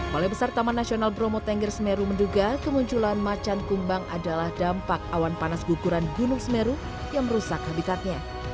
balai besar taman nasional bromo tengger semeru menduga kemunculan macan kumbang adalah dampak awan panas guguran gunung semeru yang merusak habitatnya